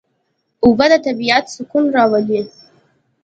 اوبه د طبیعت سکون راولي.